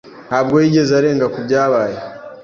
ntabwo yigeze arenga kubyabaye.